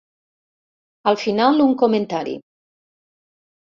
Al final, un comentari.